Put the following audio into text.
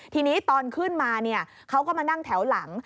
ทีนี้ตอนขึ้นมาเขาก็มานั่งแถวหลัง